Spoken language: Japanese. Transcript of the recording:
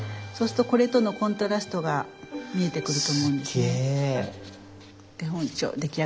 そうするとこれとのコントラストが見えてくると思うんですね。